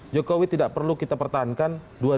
jokowi tidak perlu kita pertahankan dua ribu sembilan belas